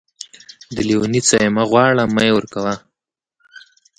د لېوني څه يې مه غواړه ،مې ورکوه.